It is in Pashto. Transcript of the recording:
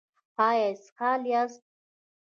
ایا اسهال یاست؟